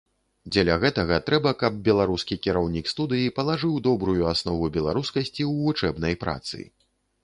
Дзеля гэтага трэба, каб беларускі кіраўнік студыі палажыў добрую аснову беларускасці ў вучэбнай працы.